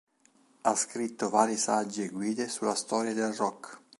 Ha scritto vari saggi e guide sulla storia del rock.